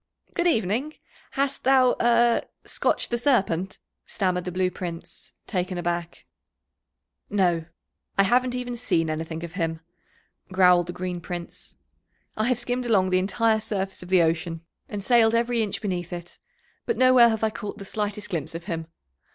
"Good evening, hast thou er scotched the Serpent?" stammered the Blue Prince, taken aback. "No, I haven't even seen anything of him," growled the Green Prince. "I have skimmed along the entire surface of the ocean, and sailed every inch beneath it, but nowhere have I caught the slightest glimpse of him.